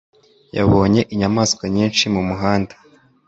Yabonye inyamaswa nyinshi mumuhanda.